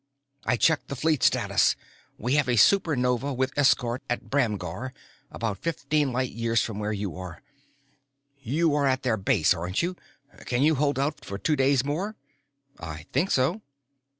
"I checked the Fleet units. We have a Supernova with escort at Bramgar, about fifteen light years from where you are. You are at their base, aren't you? Can you hold out for two days more?" "I think so."